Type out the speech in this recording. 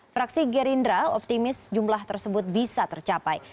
fraksi gerindra optimis jumlah tersebut bisa tercapai